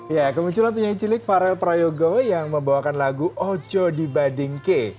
ya kemunculan penyanyi cilik farel prayogo yang membawakan lagu ojo di badingke